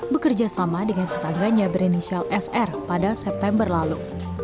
bekerja sama dengan tetangganya berinisial sr pada september lalu